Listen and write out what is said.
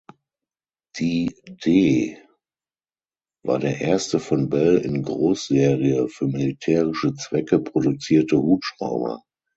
Die "D" war der erste von Bell in Großserie für militärische Zwecke produzierte Hubschrauber.